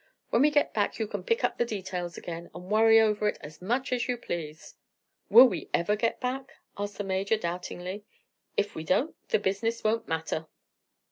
When we get back you can pick up the details again and worry over it as much as you please." "Will we ever get back?" asked the Major, doubtingly. "If we don't, the business won't matter."